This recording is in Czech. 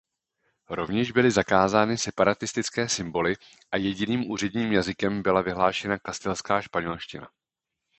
Rovněž byly zakázány separatistické symboly a jediným úředním jazykem byla vyhlášena kastilská španělština.